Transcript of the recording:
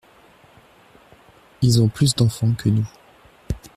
Ils ont plus d’enfants que nous.